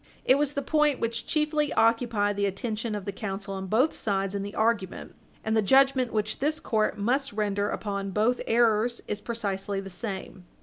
It was the point which chiefly occupied the attention of the counsel on both sides in the argument and the judgment which this court must render upon both errors is precisely the same.